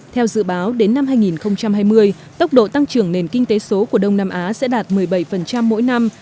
theo dự báo đến năm hai nghìn hai mươi tốc độ tăng trưởng nền kinh tế số của đông nam á sẽ đạt một mươi bảy mỗi năm